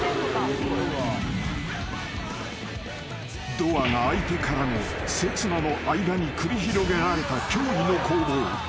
［ドアが開いてからの刹那の間に繰り広げられた驚異の攻防］